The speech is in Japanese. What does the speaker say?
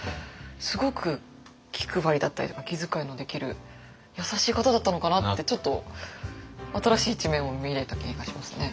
すごく気配りだったりとか気遣いのできる優しい方だったのかなってちょっと新しい一面を見れた気がしますね。